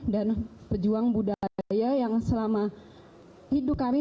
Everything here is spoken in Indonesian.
dan pejuang budaya yang selama hidup kami